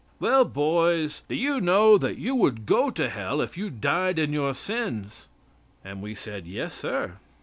"Well, boys, do you know that you would go to Hell if you died in your sins?" And we said: "Yes, sir."